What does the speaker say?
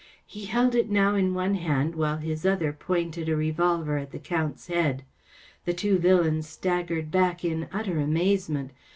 He held it now in one hand, while his other pointed a revolver at the Count’s head. The two villains staggered back in utter amazement.